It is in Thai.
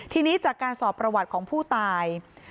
ทีนี้จากการสอบประวัติของผู้ตาย